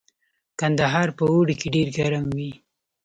کندهار په اوړي کې ډیر ګرم وي